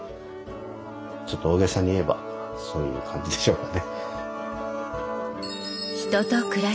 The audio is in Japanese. ちょっと大げさに言えばそういう感じでしょうかね。